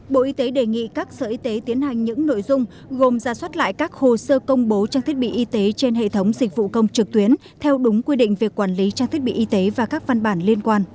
bộ y tế đề nghị các sở y tế tiến hành những nội dung gồm giả soát lại các hồ sơ công bố trang thiết bị y tế trên hệ thống dịch vụ công trực tuyến theo đúng quy định về quản lý trang thiết bị y tế và các văn bản liên quan